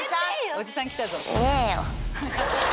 おじさん来たぞ。